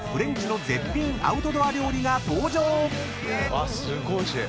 あっすごいおいしい。